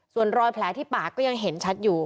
ส่วนรอยแผลที่ปากก็ยังเห็นชัดอยู่